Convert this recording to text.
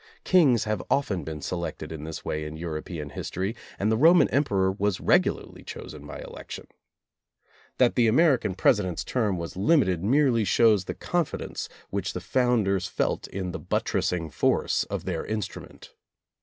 Kings have often been selected in this way in European history, and the Roman Emperor was regularly chosen by election. That the American President's term was limited merely shows the confidence which the founders felt in the buttressing force of their instrument.